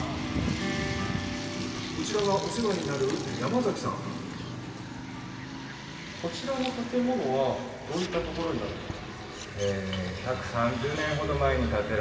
こちらがお世話になるこちらの建物はどういったところになるんですか？